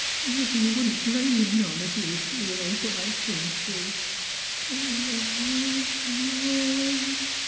... Mebbe you wouldn't blame me none, ef you was t' re 'lise what I b 'en through. ... Lord — Lord!"